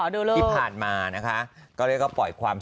ที่ผ่านมานะคะ